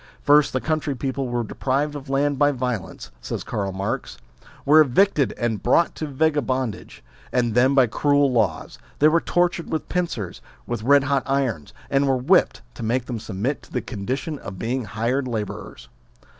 First the country people were deprived of land by violence, says Karl Marx, were evicted and brought to vagabondage ; and then, by cruel laws, they were tortured with pincers, with red hot irons, and were whipped, to make them submit to the condition of being hired labourers.